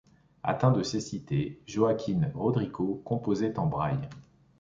Atteint de cécité, Joaquín Rodrigo composait en braille.